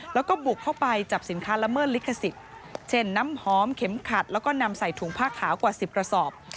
แล้วก็บุกเข้าไปจับสินค้าละเมิดลิขสิทธิ์เช่นน้ำหอมเข็มขัดแล้วก็นำใส่ถุงผ้าขาวกว่า๑๐กระสอบ